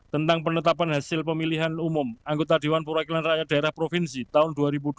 tentang penetapan hasil pemilihan umum anggota dewan perwakilan rakyat daerah provinsi tahun dua ribu dua puluh